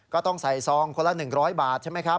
ก็ต้องใส่ซองคนละ๑๐๐บาทใช่ไหมครับ